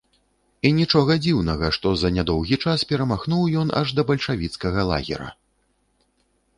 І нічога дзіўнага, што за нядоўгі час перамахнуў ён аж да бальшавіцкага лагера.